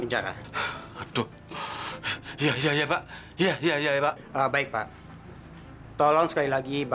nggak ada orang lagi